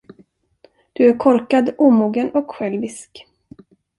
Du är korkad, omogen och självisk.